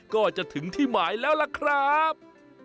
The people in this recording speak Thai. ก็จะถึงที่หมายแล้วล่ะครับ